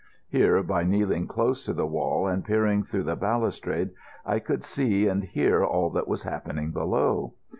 Here, by kneeling close to the wall and peering through the balustrade, I could see and hear all that was happening below.